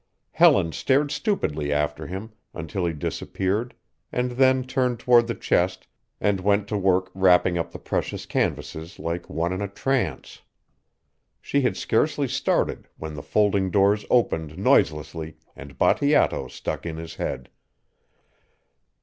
Helen stared stupidly after him until he disappeared and then turned toward the chest and went to work wrapping up the precious canvases like one in a trance. She had scarcely started when the folding doors opened noiselessly and Bateato stuck in his head.